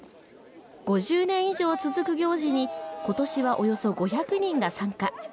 ５０年以上続く行事に、今年はおよそ５００人が参加。